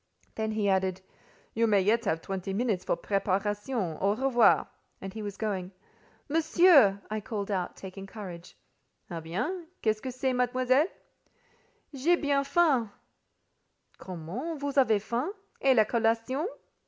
Then he added, "You may yet have twenty minutes for preparation: au revoir!" And he was going. "Monsieur," I called out, taking courage. "Eh bien! Qu'est ce que c'est, Mademoiselle?" "J'ai bien faim." "Comment, vous avez faim! Et la collation?"